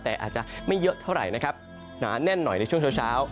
แต่อาจจะไม่เยอะเท่าไหร่นะครับหนาแน่นหน่อยในช่วงเช้า